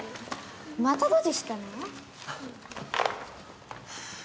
またドジしたの？ははっ。